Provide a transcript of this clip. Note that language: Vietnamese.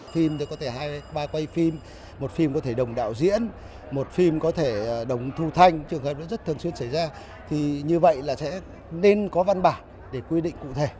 phim có thể hai ba quay phim một phim có thể đồng đạo diễn một phim có thể đồng thu thanh trường hợp nó rất thường xuyên xảy ra thì như vậy là sẽ nên có văn bản để quy định cụ thể